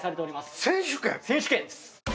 選手権です。